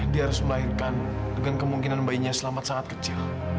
dia harus melahirkan dengan kemungkinan bayinya selamat sangat kecil